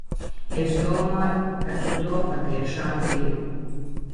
Es domāju, ka tu to patiešām gribi.